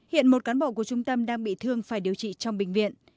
hiện một cán bộ của trung tâm đang bị thương phải điều trị trong bệnh viện